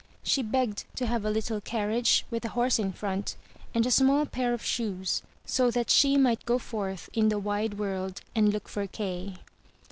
She begged to have a little carriage with a horse in front, and a small pair of shoes, so that she might go forth in the wide world and look for Kay.